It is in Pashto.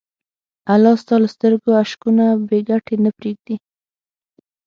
الله ستا له سترګو اشکونه بېګټې نه پرېږدي.